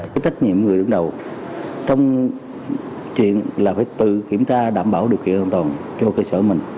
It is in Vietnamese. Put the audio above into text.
cái trách nhiệm người đứng đầu trong chuyện là phải tự kiểm tra đảm bảo điều kiện an toàn cho cơ sở mình